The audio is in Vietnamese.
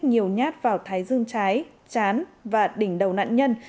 nhiều nhát vào thái dương trái chán và đỉnh đầu nạn nhân